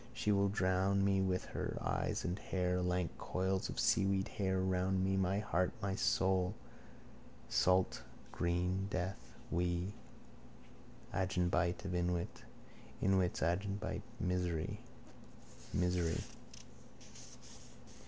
She will drown me with her, eyes and hair. Lank coils of seaweed hair around me, my heart, my soul. Salt green death. We. Agenbite of inwit. Inwit's agenbite. Misery! Misery!